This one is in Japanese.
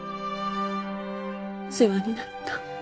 世話になった。